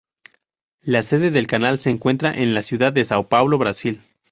La sede del canal se encuentra en la ciudad de São Paulo, Brasil.